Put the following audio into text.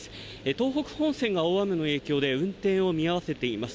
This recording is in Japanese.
東北本線が大雨の影響で運転を見合わせています。